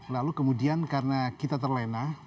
lalu kemudian karena kita terlena